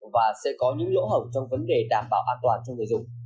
và sẽ có những lỗ hổng trong vấn đề đảm bảo an toàn cho người dùng